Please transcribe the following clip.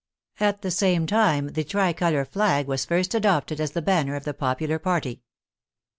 At the same time the tricolor flag was first adopted as the banner of the popular party.